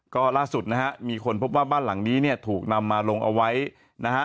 ก็ล่าสุดนะฮะมีคนพบว่าบ้านหลังนี้เนี่ยถูกนำมาลงเอาไว้นะฮะ